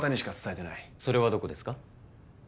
それはどこですか？